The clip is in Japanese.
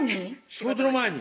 仕事の前に？